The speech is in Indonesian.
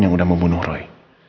yang udah mau bunuh roy